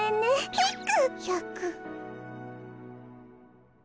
ヒック。